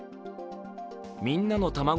みんなのたまご